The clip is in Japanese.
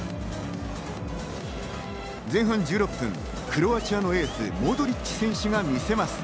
前半１６分、クロアチアのエース、モドリッチ選手が見せます。